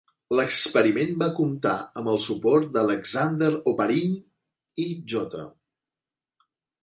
L'experiment va comptar amb el suport d'Alexander Oparin i J.